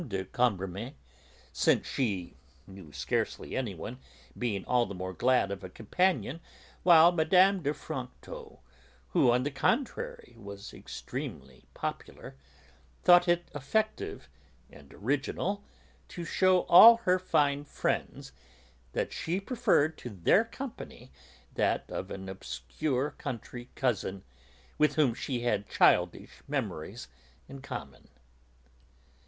de Cambremer, since she knew scarcely anyone, being all the more glad of a companion, while Mme. de Franquetot, who, on the contrary, was extremely popular, thought it effective and original to shew all her fine friends that she preferred to their company that of an obscure country cousin with whom she had childish memories in common.